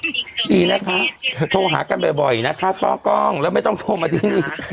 ดีนะคะโทรหากันบ่อยนะคะป้อกล้องแล้วไม่ต้องโทรมาที่นี่